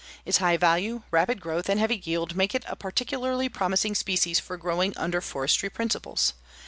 Its high value, rapid growth and heavy yield make it a particularly promising species for growing under forestry principles.